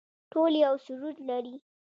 ټول یو سرود لري